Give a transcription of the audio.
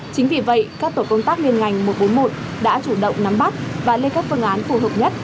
chính vì vậy các tổ công tác liên ngành một trăm bốn mươi một đã chủ động nắm bắt và lên các phương án phù hợp nhất